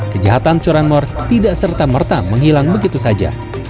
kejahatan curanmor tidak serta merta menghilang begitu saja